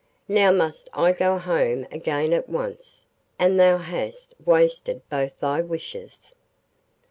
Now must I go home again at once, and thou hast wasted both thy wishes.